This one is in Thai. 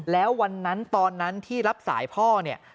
แล้ววันนั้นตอนนั้นที่รับสายพ่อเนี่ย